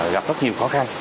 gặp rất nhiều khó khăn